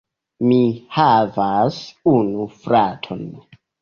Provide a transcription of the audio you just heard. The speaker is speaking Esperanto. Mi havas unu fraton.